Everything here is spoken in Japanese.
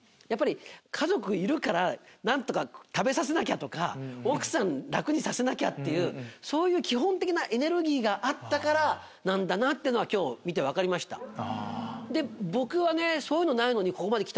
やっぱり家族いるから何とか食べさせなきゃとか奥さん楽にさせなきゃっていうそういう基本的なエネルギーがあったからなんだなっていうのが今日見て分かりました。